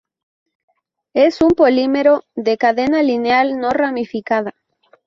Es un polímero de cadena lineal no ramificada.